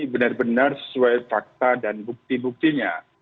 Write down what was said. benar benar sesuai fakta dan bukti buktinya